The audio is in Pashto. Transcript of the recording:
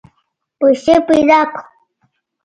پیسې پیدا کړه.